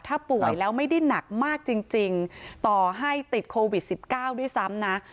ถ้าป่วยแล้วไม่ได้หนักมากจริงต่อให้ติดโควิด๑๙ด้วยซ้ำนะ